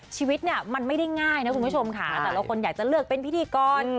ชีวิตเนี่ยมันไม่ได้ง่ายนะคุณผู้ชมค่ะแต่ละคนอยากจะเลือกเป็นพิธีกร